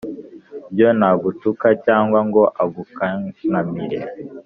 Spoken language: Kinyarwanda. byo, ntagutuka cyangwa ngo agukankamire.